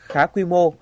khá quy mô